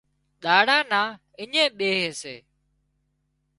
ۮاڙا نا اڃين ٻيهي سي